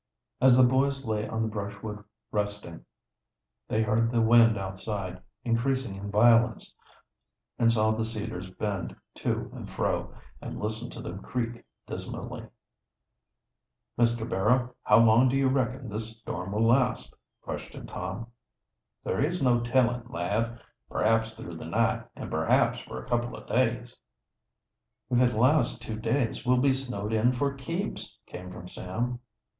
As the boys lay on the brushwood resting, they heard the wind outside increasing in violence, and saw the cedars bend to and fro, and listened to them creak dismally. "Mr. Barrow, how long do you reckon this storm will last?" questioned Tom. "There is no tellin', lad. Perhaps through the night, an' perhaps for a couple o' days." "If it lasts two days, we'll be snowed in for keeps!" came from Sam.